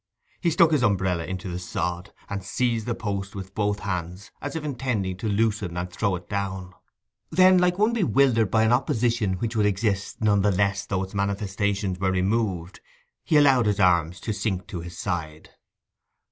He stuck his umbrella into the sod, and seized the post with both hands, as if intending to loosen and throw it down. Then, like one bewildered by an opposition which would exist none the less though its manifestations were removed, he allowed his arms to sink to his side.